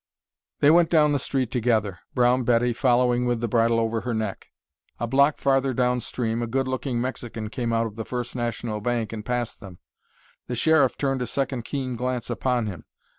They went down the street together, Brown Betty following with the bridle over her neck. A block farther down stream, a good looking Mexican came out of the First National Bank and passed them. The Sheriff turned a second keen glance upon him.